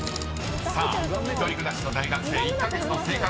［さあ一人暮らしの大学生１カ月の生活費］